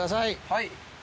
はい。